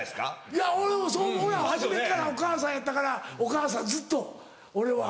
いや俺もそう思う初めっから「お母さん」やったから「お母さん」ずっと俺は。